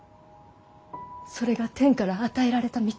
それが天から与えられた道。